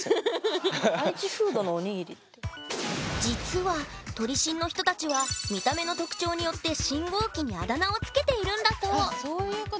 実は撮り信の人たちは見た目の特徴によって信号機にあだ名を付けているんだそう。